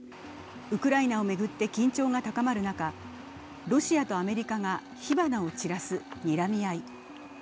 ウクライナを巡って緊張が高まる中、ロシアとアメリカが火花を散らすにらみ合い。